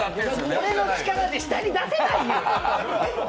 俺の力で下に出せないよ！